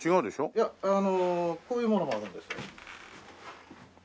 いやあのこういう物もあるんですよ。